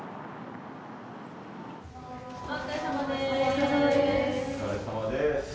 お疲れさまです。